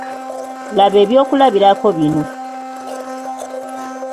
Laba ebyokulabirako bino.